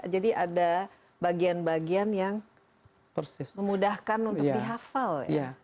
jadi ada bagian bagian yang memudahkan untuk di hafal